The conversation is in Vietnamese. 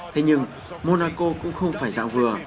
thế nhưng monaco cũng không phải dạng vừa